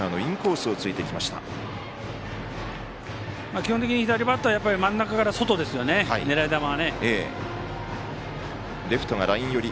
基本的に左バッター真ん中から外ですよね、狙い球は。